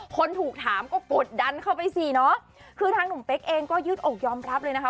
คนถูกถามก็กดดันเข้าไปสิเนอะคือทางหนุ่มเป๊กเองก็ยืดอกยอมรับเลยนะคะ